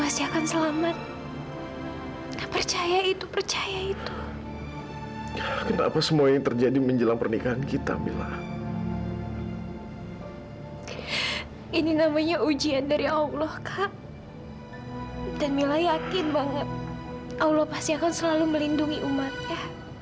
sampai jumpa di video selanjutnya